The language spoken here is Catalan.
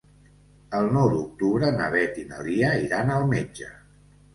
El nou d'octubre na Beth i na Lia iran al metge.